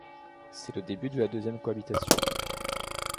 C'est le début de la deuxième cohabitation.